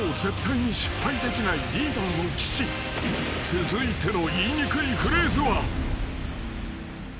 ［続いての］